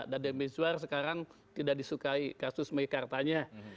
dedy mizwar sekarang tidak disukai kasus mengikatanya